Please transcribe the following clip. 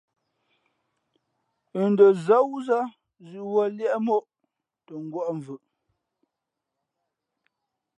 N dαzά wúzᾱ zʉ̌ʼ wuᾱ liēʼ ̀móʼ tα ngwα̌ʼ ̀mvʉʼ.